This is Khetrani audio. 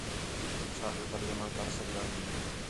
چَھا تُو ترجمہ کر سڳدا ہیں؟